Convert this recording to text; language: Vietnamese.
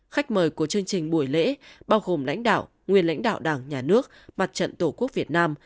khách mời của chương trình buổi lễ bao gồm lãnh đạo nguyên lãnh đạo đảng nhà nước mặt trận tổ quốc việt nam